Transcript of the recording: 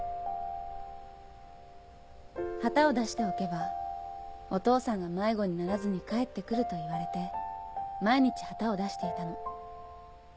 旗を出しておけばお父さんが迷子にならずに帰ってくると言われて毎日旗を出していたの。